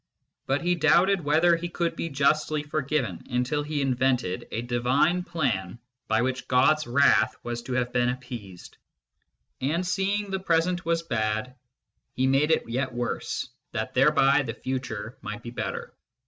But he doubted whether he could be justly forgiven, until he invented a divine Plan by which God s wrath was to have been appeased. And seeing the present was bad, he made it yet worse, that thereby the future might be better.